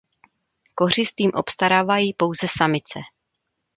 Kořist jim obstarávají pouze samice.